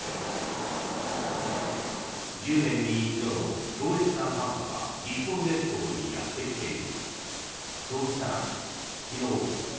１０年に一度の強烈な寒波が日本列島にやってきている。